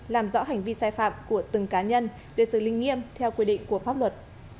làm rõ hành vi sai phạm của từng cá nhân để xử lý nghiêm theo quy định của pháp luật